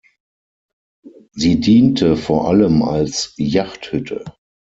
Sie diente vor allem als Jagdhütte.